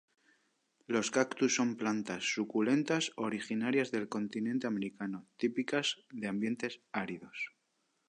Los cactus son plantas suculentas originarias del continente americano, típicas de ambientes áridos.